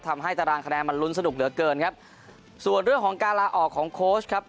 ตารางคะแนนมันลุ้นสนุกเหลือเกินครับส่วนเรื่องของการลาออกของโค้ชครับ